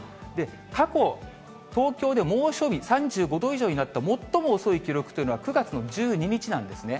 過去、東京で猛暑日、３５度以上になった最も遅い記録というのは、９月の１２日なんですね。